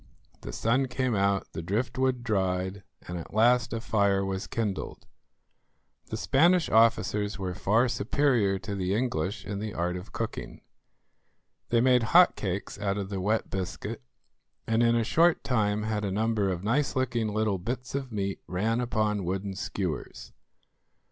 The sun came out, the driftwood dried, and at last a fire was kindled. The Spanish officers were far superior to the English in the art of cooking. They made hot cakes out of the wet biscuit, and in a short time had a number of nice looking little bits of meat ran upon wooden skewers.